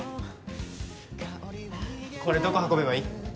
これどこ運べばいい？